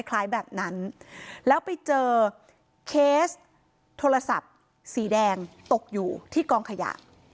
แบบนั้นแล้วไปเจอเคสโทรศัพท์สีแดงตกอยู่ที่กองขยะ